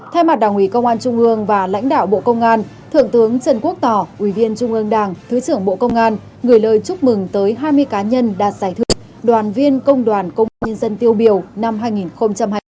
thay mặt đảng ủy công an trung ương và lãnh đạo bộ công an thượng tướng trần quốc tỏ ủy viên trung ương đảng thứ trưởng bộ công an gửi lời chúc mừng tới hai mươi cá nhân đạt giải thưởng đoàn viên công đoàn công an nhân dân tiêu biểu năm hai nghìn hai mươi bốn